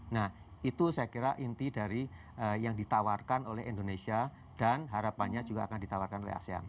nah itu saya kira inti dari yang ditawarkan oleh indonesia dan harapannya juga akan ditawarkan oleh asean